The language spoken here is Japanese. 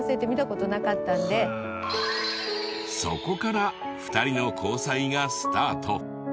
そこから２人の交際がスタート。